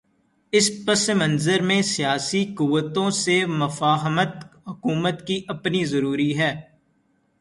اس پس منظر میں سیاسی قوتوں سے مفاہمت حکومت کی اپنی ضرورت ہے۔